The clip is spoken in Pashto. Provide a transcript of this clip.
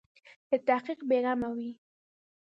له تحقیق بې غمه وي.